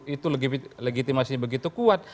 itu legitimasi begitu kuat